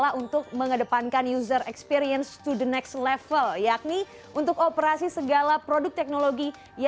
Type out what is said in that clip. apa yang terjadi